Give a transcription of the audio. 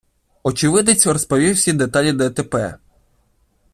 Очевидець розповів всі деталі ДТП.